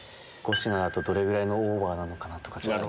５品だとどれぐらいのオーバーなのかなと。